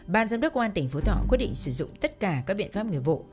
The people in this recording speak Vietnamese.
bàn giám đốc ngoàn tỉnh phú thọ quyết định sử dụng tất cả các biện pháp người vụ